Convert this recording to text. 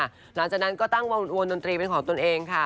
หลังจากนั้นก็ตั้งวงอวนดนตรีเป็นของตนเองค่ะ